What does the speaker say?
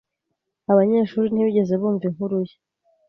Abanyeshuri ntibigeze bumva inkuru ye.